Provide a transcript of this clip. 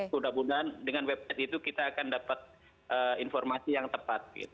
mudah mudahan dengan website itu kita akan dapat informasi yang tepat